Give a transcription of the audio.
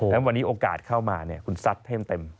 สิ่งที่ผิดพลาดเข้ามาเนี่ยคุณซัดเท่มเต็ม